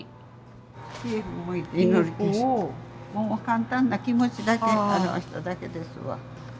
簡単な気持ちだけ表しただけですわ。